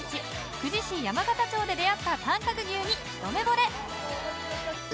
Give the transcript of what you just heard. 久慈市山形町で出会った短角牛にひと目ぼれ。